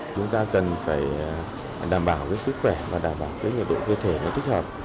chúng ta cần phải đảm bảo sức khỏe và đảm bảo nhiệt độ cơ thể thích hợp